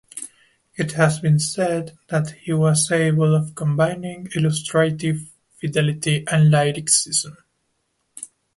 It has been said that he was able of "combining illustrative fidelity and lyricism".